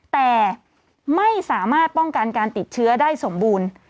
แต่ไม่สามารถป้องกันการติดเชื้อได้สมบูรณ์